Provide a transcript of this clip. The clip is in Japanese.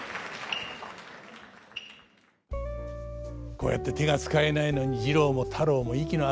こうやって手が使えないのに次郎も太郎も息の合った踊り。